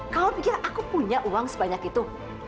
kalau pikir aku punya uang sebanyak itu